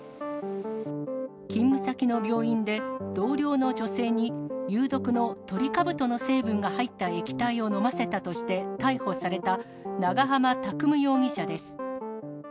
勤務先の病院で同僚の女性に有毒のトリカブトの成分が入った液体を飲ませたとして逮捕された長浜拓夢容疑者です。